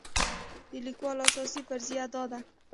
د لیکوال اساسي فرضیه دا ده.